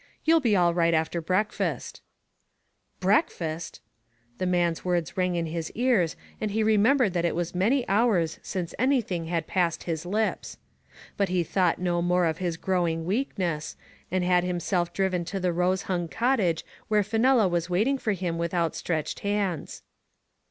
You*ll be all right after breakfast." Digitized by Google 27^ THE FATE OF FENELLA. "Breakfast !*' The man's words rang in his ears and he remembered that it was many hours since anything had passed his lips. But he thought no more of his growing weakness, and had himself driven to the rose hung cottage where Fenella was waiting for him with outstretched hands.